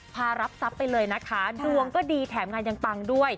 รับทรัพย์ไปเลยนะคะดวงก็ดีแถมงานยังปังด้วย